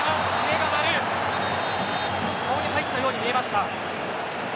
顔に入ったように見えました。